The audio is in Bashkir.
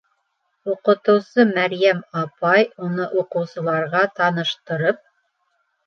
Уҡытыусы Мәрйәм апай, уны уҡыусыларға таныштырып: